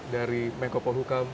dari meyko polhukam